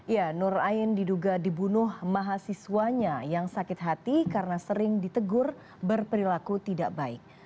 ya nur ain diduga dibunuh mahasiswanya yang sakit hati karena sering ditegur berperilaku tidak baik